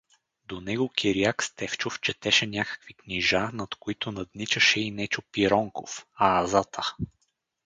До него Кириак Стефчов четеше някакви книжа, над които надничаше и Нечо Пиронков, аазата.